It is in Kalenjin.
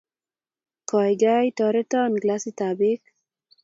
Gaigai, toreton glasitab beek